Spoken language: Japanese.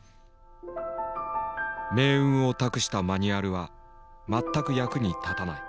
命運を託したマニュアルは全く役に立たない。